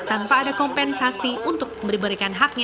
tanpa ada kompensasi untuk memberikan haknya